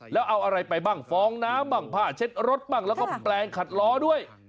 แล้วเอาอะไรไปบ้างฟองน้ำบ้างผ้าเช็ดรถบ้างแล้วก็แปลงขัดล้อด้วย